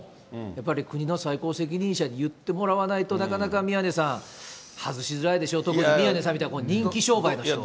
やっぱり国の最高責任者に言ってもらわないと、なかなか宮根さん、外しづらいでしょ、特に宮根さんみたいに、人気商売の人は。